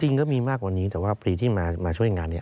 ก็มีมากกว่านี้แต่ว่าพลีที่มาช่วยงานเนี่ย